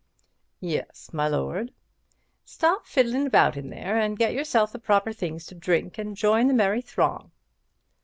"Yes, my lord." "Stop fiddling about in there, and get yourself the proper things to drink and join the merry throng."